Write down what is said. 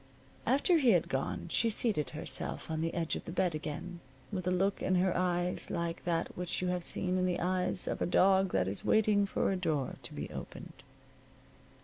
After he had gone she seated herself on the edge of the bed again, with a look in her eyes like that which you have seen in the eyes of a dog that is waiting for a door to be opened.